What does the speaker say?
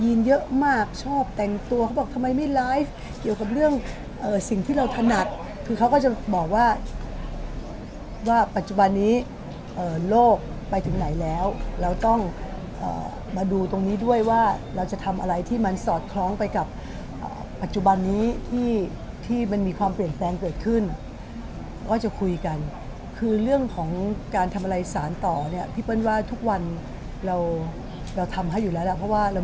เยอะมากชอบแต่งตัวเขาบอกทำไมไม่ไลฟ์เกี่ยวกับเรื่องสิ่งที่เราถนัดคือเขาก็จะบอกว่าว่าปัจจุบันนี้โลกไปถึงไหนแล้วเราต้องมาดูตรงนี้ด้วยว่าเราจะทำอะไรที่มันสอดคล้องไปกับปัจจุบันนี้ที่มันมีความเปลี่ยนแปลงเกิดขึ้นว่าจะคุยกันคือเรื่องของการทำอะไรสารต่อเนี่ยพี่เปิ้ลว่าทุกวันเราเราทำให้อยู่แล้วล่ะเพราะว่าเรา